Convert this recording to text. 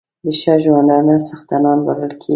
د ښه ژوندانه څښتنان بلل کېږي.